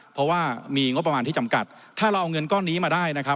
เพราะว่ามีงบประมาณที่จำกัดถ้าเราเอาเงินก้อนนี้มาได้นะครับ